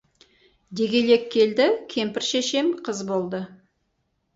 Дегелек келді, кемпір шешем қыз болды.